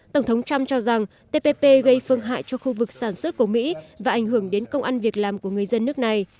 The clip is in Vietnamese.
tổng thống trump cho rằng tppp gây phương hại cho khu vực sản xuất của mỹ và ảnh hưởng đến công ăn việc làm của người dân nước này